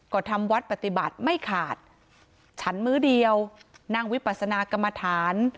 ก็ทำวัดปฏิบัติไม่ขาดฉันมื้อเดียวนั่งวิปัสนากรรมฐาน